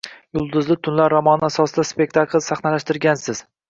Yulduzli tunlar romani asosida spektakl sahnalashtirgansiz